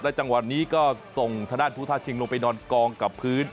และจังหวัดนี้ก็ส่งธนาฬผู้ท้าชิงลงไปนอนกองกับพื้น